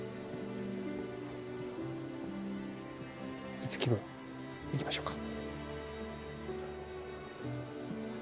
五木君行きましょうか。